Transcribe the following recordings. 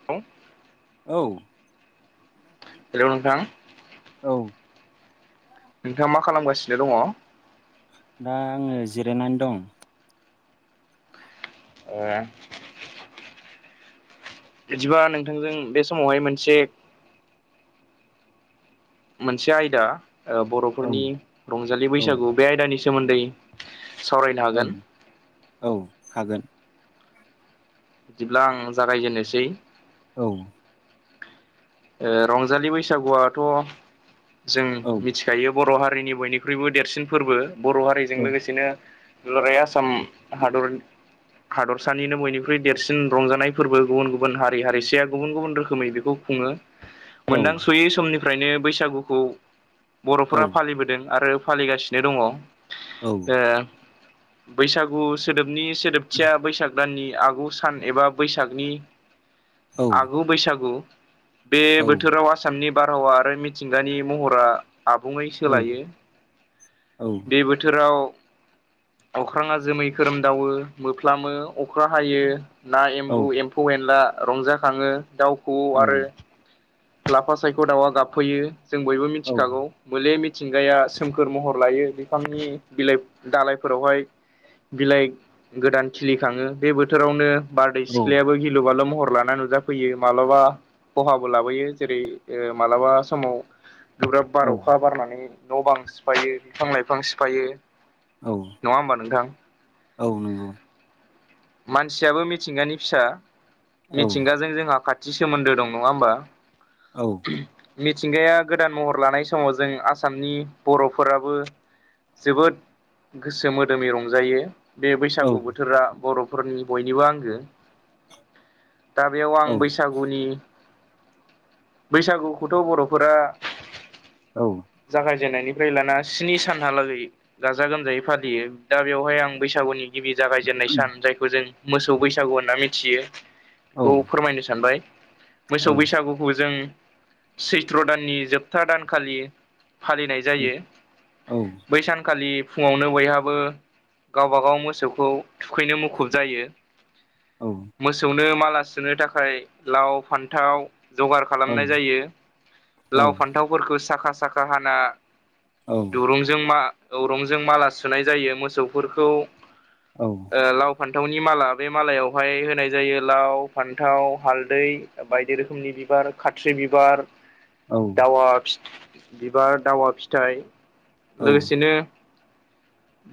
[unintelligible] औ हेल नोंथां। औ नोंथाङा मा खालामगासिनो दङ? दा आङो जिरायनानै दं। ओ बिदिबा नोंथांजों बे समावहाय मोनसे। मोनसे आयदा ओ-बरफोरनि औ रंजालि औ बैसागु बे आयदानि सोमोन्दै। सावरायनो औ हागोन। औ हागोन। बिदिब्ला आं जागायजेननोसै। औ ओ-रंजालि बैसागुआथ जों औ मिथि दायो बर हारिनि बयनिख्रुइबो देरसिन फोरबो बर हारिजों लोगोसेनो। दुलाराय आसाम हादरनि। हादरसानिनो बयनिख्रुइ देरसिन रंजानाय फोरबो गुबुन गुबुन हारि हारिसाया गुबुन गुबुन रोखोमै बे खौ खुङो औ मोनदांस'यै समनिफ्रायनो बैसागुखौ औ बर'फोरा फालिबोदों आरो फालिगासिनो दङ ओ औ बैसागु सोदोबनि सोदोबथिया बैसाग दाननि आगु सान एबा बैसागनि औ आगु बैसागु। बे औ बोथोराव आसामनि बारहावा आरो मिथिंगानि महरा आबुङै सोलायो औ बे बोथोराव अख्राङा जोमै खोरोमदावो मोफ्लामो अखा हायो ना एम्बु एम फौ एनला रंजाखाङो दाउ खौऔ आरो लाफा सायख' दाउआ गाबफैयो जों बयबो मिथिखागौ। बोले मिथिंगाया सोमखोर महर लायो बिफांनि बिलाइ दालाइफोरावहाय। बिलाइ गोदान खिलिखाङो बे बोथोरावनो बारदै औ सिख्लायाबो गिलु बालु महर लाना नुजाफैयो माबलाबा। खहाबो लाबोयो जेरै ओ मालाबा समाव गोब्राब बार अखा बारनानै न' बां सिफायो बिफां लाइफां सिफायो औ नङा होमबा नोंथां? औ नंगौ। मानसियाबो मिथिंगानि फिसा औ मिथिंगाजों जोंहा खाथि सोमोन्दो दं नङा होमबा? औ। मिथिंगाया गोदान महर लानाय समाव जों आसामनि बर'फोराबो जोबोद गोसो मोदोमै रंजायो। बे औ बैसागु बोथोरा बर'फोरनि बयनिबो आंगो। दा बेयाव आं औ बैसाग गुनि बैसागुखौथ' बर'फोरा औ। जागायजेननायनिफ्राय लाना स्नि सानहालागै गाजा गोमजायै फालियो दा बेवहाय आं बैसागुनि गिबि जागायजेननाय सान जाय जों मोसौ बैसागु होनना मिथियो औ बेखौ औ फोरमायनो सानबाय मोसौ बैसागु खौ जों सैथ्र दाननि जोबथा दानखालि फालिनाय जायो बै सानखालि फुङावनो बयहाबो गावबागाव मोसौखौ थुखैनो मुखुब जायो। औ। मोसौनो माला सुनो थाखाय लाव फान्थाव जगार खालामनाय जायो लाव फान्थावफोरखौ साखा साखा हाना औ दुरुंजों मा अरंजों माला सुनाय जायो मोसौफोरखौ। औ। लाव फान्थावनि माला बे मालायावहाय होनाय जायो लाव फान्थाव हालदै। बायदि रोखोमनि बिबार खाथ्रि बिबार। [inaudible] दावा फिथ बिबार दावा फिथाइ। लोगोसेनो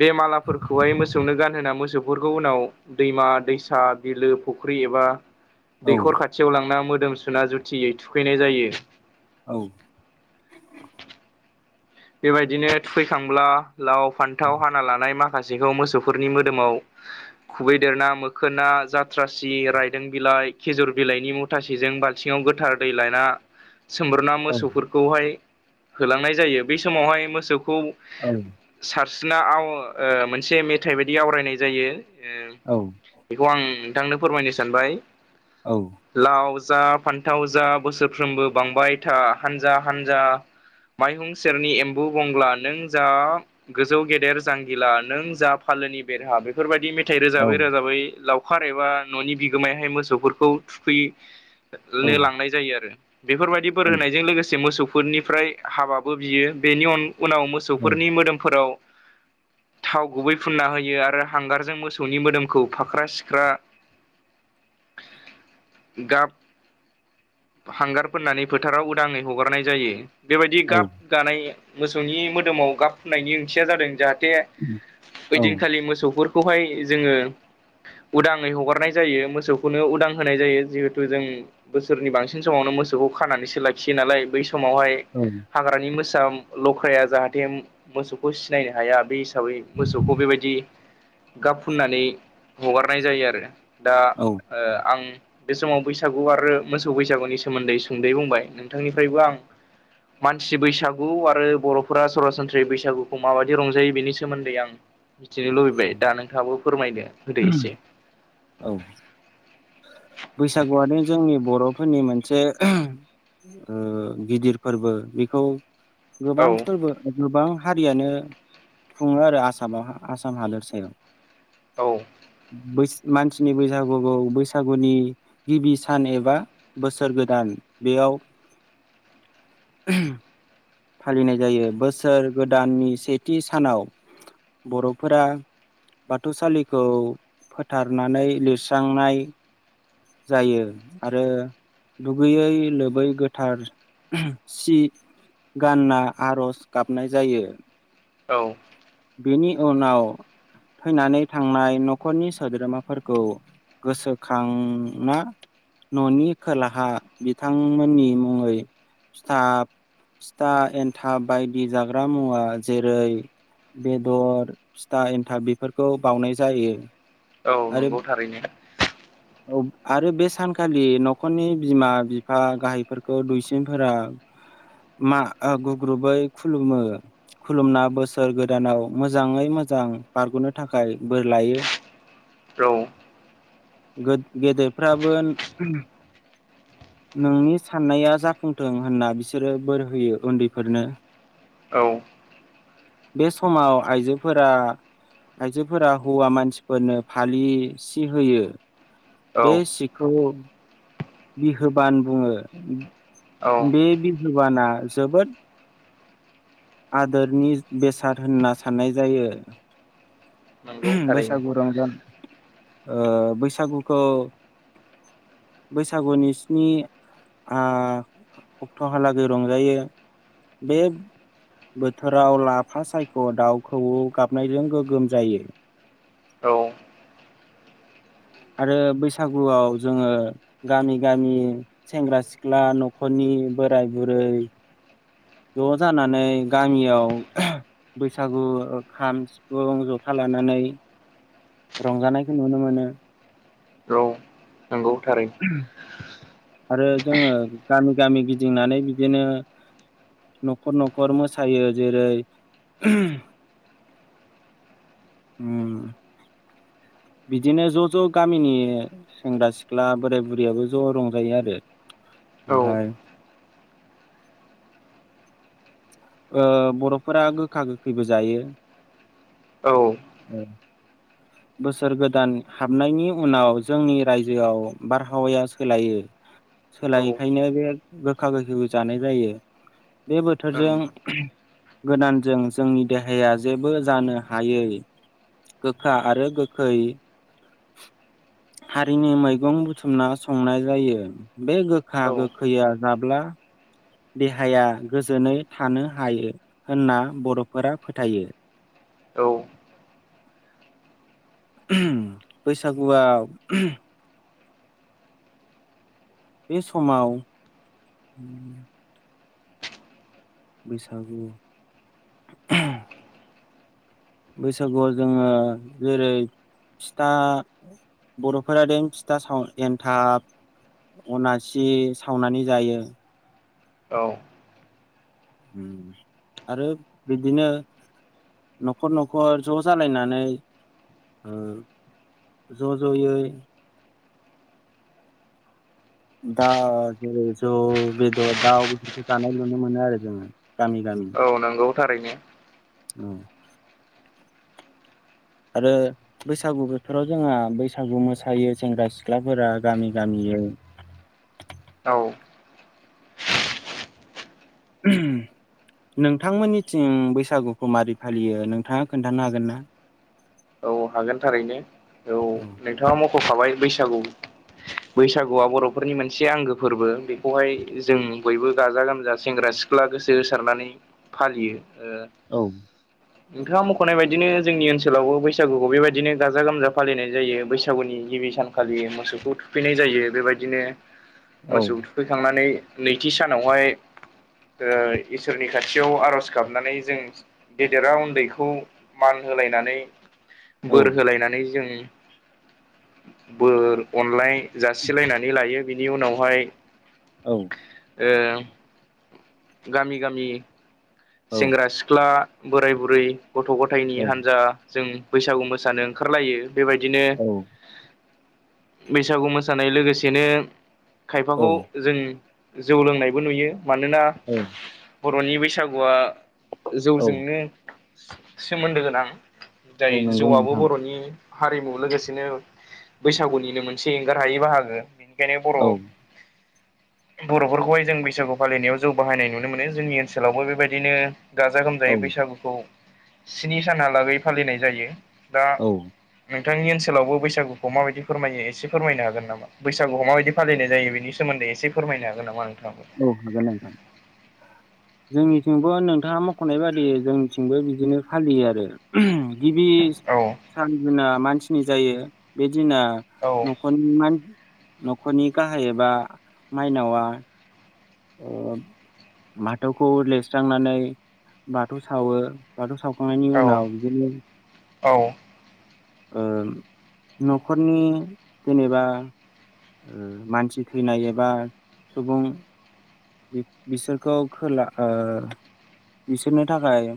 बे मालाफोरखौहाय मोसौनो गानहोना मोसौफोर खौ उनाव दैमा दैसा बिलो फुख्रि एबा दैखर खाथ थियाव लांना मोदोम सुना जुथियै थुखैनाय जायो। औ। बेबायदिनो थुखैखांब्ला लाव फान्थाव हाना लानाय मा माखासेखौ मोसौफोरनि मोदोमाव खुबैदेरना मोखोना जाथ्रासि रायदों बिलाइ खेजुर बिलाइनि मु थासेजों बाल्थिङाव गोथार दै लायना सोमब्रना मोसौफोरखौहाय होलांनाय जायो बै समावहाय मोसौखौ औ। सारस्रिना आव ओ मोनसे मेथाइ बायदि आवरायनाय जायो ओ। औ। बेखौ आं नोंथांनो फोरमायनो सानबाय। औ। लाव जा फान्थाव जा बोसोरफ्रोमबो बांबाय था हानजा हानजा माइहुं सेरनि एम्बु बंगला नों जा गोजौ गेदेर जांगिला नों जा फालोनि बेरहा बेफोरबायाददि मेथाइ औ रोजाबै रोजाबै लाव खार एबा न'नि बिगोमायहाय मोसौफोरखौ औ थुखैनो लांनाय जायो आरो। बेफोरबायदि बोर औ होनायजों लोगोसे मोसौफोरनिफ्राय हाबाबो बियो बेनि अन उनाव मोसौफोरनि मोदोमफोराव थाव गुबै फुनना होयो आरो हांगारजों मोसौनि मोदोमखौ फाख्रा सिख्रा [inaudible] गाब हांगार फोननानै फोथाराव उदाङै हगारनाय जायो। बेबायदि औ गाब गानाय मोसौनि मोदोमाव गाब फुननायनि ओंथिया जादों जाहाथे औ ओइदिनखालि मोसौफोरखौहाय जोङो उदाङै हगारनाय जायो मोसौखौनो उदां होनाय जायो जिहेथु जों बोसोरनि बांसिन समावनो मोसौखौ खानानैसो लाखियो नालाय बै समावहाय औ। हाग्रानि मोसा लख्राया जाहाथे मोसौखौ सिनायनो हाया बे हिसाबै मोसौखौ बेबायदि गाब फुननानै हगारनाय जायो आरो। दा औ ओ आं बे समाव बैसागु आरो मोसौ बैसागुनि सोमोन्दै सुंदै बुंबाय नोंथांनिफ्रायबो आं मसि बैसागु आरो बर'फोरा सरासनस्रायै बैसागुखौ माबायदि रंजायो बिनि सोमोन्दै आं मिथिनो लुबैबाय दा नोंथाङाबो फोरमायदो होदो एसे। औ। बैसागुआनो जोंनि बर'फोरनि मोनसे ओह ओ गिदिर फोरबो बेखौ गोबां औ फोरबो गोबां हारियानो खुङो आरो आसामाव आसाम हालोर सायाव। औ। बैस मानसिनि बैसागु बैसाग बैसागुनि गिबि सान एबा बोसोर गोदान बेयाव ओह फालिनाय जायो बोसोर गोदाननि सेथि सानाव बर'फोरा बाथौसालिखौ फोथारनानै लिरस्रांनाय जायो आरो दुगैयै लोबै गोथार ओहम सि गानना आर'ज गाबनाय जायो। औ। बेनि उनाव थैनानै थांनाय न'खरनि सोद्रोमाफोरखौ गोसोखांना न'नि खोलाहा बिथांमोननि मुङै फिथा फिथा एन्थाब बायदि जाग्रा मुवा जेरै बेदर फिथा एन्थाब बेफोरखौ बाउनाय जायो। औ नंगौ थारैनो। औ आरो बे सानखालि न'खरनि बिमा बिफा गाहायफोरखौ दुइसिनफोरा मा गुग्रुबै खुलुमो। खुलुमना बोसोर गोदानाव मोजाङै मोजां बारग'नो थाखाय बोर लायो। औ। गोन गेदेरफ्राबो नोंनि साननाया जाफुंथों होनना बिसोरो बोर होयो उन्दैफोरनो। औ बे समाव आइजोफोरा आयजोफोरा हौवा मानसिफोरनो फालिसि होयो औ बे सिखौ बिहोबान बुङो औ बे बिहोबाना जोबोद आदोरनि बेसाद होनना साननाय जायो नंगौ थारैनो बैसागु रंजा ओ बैसागुखौ बैसागुनि स्नि अक्ट'हालागै रंजायो बे बोथोराव लाफा सायख' दाउ खौवौ गाबनायजों गोग्गोम जायो। औ आरो बैसागुआव जोङो गामि गामि सेंग्रा सिख्ला न'खरनि बोराय बुरै ज' जानानै गामियाव बैसागु खाम सिफुं जथा लानानै रंजानायखौ नुनो मोनो औ नंगौ थारै आरो जोङो गामि गामि गिदिंनानै बिदिनो न'खर न'खर मोसायो जेरै [inaudible] बिदिनो ज' ज' गामिनि सेंग्रा सिख्ला बोराय बुरैयाबो ज' रंजायो आरो ओमफ्राय औ ओ बर'फोरा गोखा गोखैबो जायो औ [unintelligible] बोसोर गोदान हाबनायनि उनाव जोंनि रायजोआव बारहावाया सोलायो सोलायैखायनो बे गोखा गोखैखौ जानाय जायो। बे ओं बोथोरजों गोदानजों जोंनि देहाया जेबो जानो हायै गोखा आरो गोखै हारिनि मैगं बुथुमना संनाय जायो बे गोखा औ गोखैया जाब्ला देहाया गोजोनै थानो हायो होनना बर'फोरा फोथायो। औ बैसागुआ बे समाव बैसागु बैसागुआव जोङो जेरै फिथा बर'फोरादेन फिथा साव एनथाब अनासि सावनानै जायो औ आरो बिदिनो न'खर न'खर ज' जालायनानै ओ ज' ज'यै दा जेरै जौ बेदर दाउ बेसखौ जानाय नुनो मोनो आरो जोङो गामि गामि औ नंगौ थारैनो आरो बैसागु बोथोराव जोंहा बैसागु मोसायो सेंग्रा सिख्लाफोरा गामि गामियै औ नोंथांमोननिथिं बैसागुखौ मारै फालियो नोंथाङा खोन्थानो हागोन ना? औ हागोन थारैनो औ नोंथाङा मख'खाबाय बैसागु [inaudible] बैसागुआ बर'फोरनि मोनसे आंगो फोरबो बेखौहाय जों बयबो गाजा गोमजा सेंग्रा सि ख्ला गोसो होसारनानै फालियो ओ औ नोंथाङा मख'नाय बायदिनो जोंनि ओनसोलावबो बै बैसागुखौ बेबायदिनो गाजा गोमजा फालिनाय जायो बैसागुनि गिबि सानखालि मोसौखौ थुफैनाय जायो बेबायदिनो [inaudible] मोसौ थुखैखांनानै नैथि सानावहाय ओ इसोरनि खाथियाव आर'ज गाबनानै जों गेदेरा उन्दैखौ मान होलायनानै औ बोर होलायनानै जों बोर अनलाय जासिलायनानै लायो बिनि उनावहाय औ ओ गामि गामि औ सेंग्रा सिख्ला बोराय बुरै गथ' गथायनि औ हान्जा जों बैसागु मोसानो ओंखारलायो बेबायदिनो बैसागु मोसानाय लोगोसेनो औ खायफाखौ जों जौ लोंनायबो नुयो मानोना औ बर'नि बैसागुआ औ जौजोंनो सोमोन्दो गोनां। औ जाय नंगौ जौआबो नोंथां बर'नि हारिमु लोगोसेनो बैसागुनिनो मोनसे एंगार हायै बाहागो। थेने बर' औ बर'फोरखौहाय जों बैसागु फालिनायाव जौ बाहायनाय नुनो मोनो जोंनि ओनसोलावबो बेबायदिनो गाजा गोमजायै औ बैसागुखौ स्नि सानहालागै फालिनाय जायो दा औ नोंथांनि ओनसोलावबो बैसागुखौ माबायदि फोरमायो एसे फोरमायनो हागोन नामा। बैसागुखौ माबायदि फालिनाय जायो बेनि सोमोन्दै एसे फोरमायनो हागोन नामा नोंथाङाबो। औ हागोन नोंथां। जोंनिथिंबो नोंथाङा मख'नाय बादि जोंनिथिंबो बिदिनो फालियो आरो। गिबि औ सान दिना मानसिनि जायो बे दिना औ न'खर न'खरनि गाहाय एबा माइनावा ओ बाथौखौ लिरस्रांनानै बाथौ सावो। बाथौ सावखांनायनि उनाव बिदिनो औ ओ न'खरनि जेनेबा ओ मानसि थैनाय एबा सुबुं बि-बिसोरखौ खोला ओ बिसोरनि थाखाय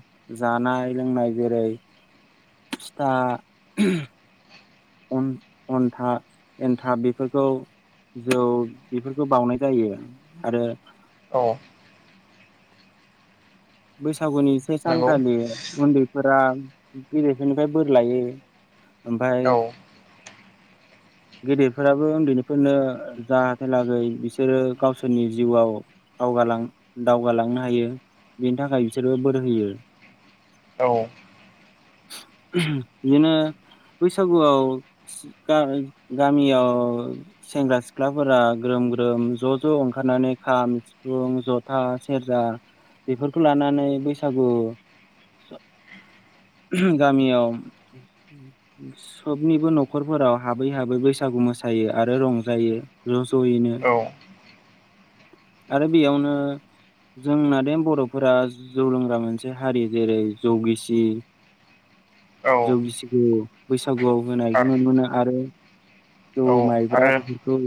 जानाय लोंनाय जेरै फिथा अन-अनथा एनथाब बेफोरखौ जौ बेफोरखौ बाउनाय जायो आरो औ बैसागुनि से नंगौ सानखालि उन्दैफोरा गेदेरफोरनिफ्राय बोर लायो। ओमफाय औ गेदेरफोराबो उन्दैनिफोरनो जाहाथे लागै बिसोरो गावसोरनि जिउआव दावगालां दावगालांनो हायो। बिनि थाखाय बिसोरबो बोर होयो। औ बिदिनो बैसागुआव गा-गामियाव सेंग्रा सिख्लाफोरा ग्रोम ग्रोम ज' ज' ओंखारनानै खाम सिफुं जथा सेरजा बेफोरखौ लानानै बैसागु स गामियाव सबनिबो न'खरफोराव हाबै हाबै बैसागु मोसायो आरो रंजायो। ज' ज'यैनो औ आरो बेयावनो जोंना देम बर'फोरा जौ लोंग्रा मोनसे हारि जेरै जौ गिसि औ जौ गिसिखु बैसागुआव होनायखौ आरो नुनो मोनो आरो जौ औ माइब्रा आरो बेफोरखौ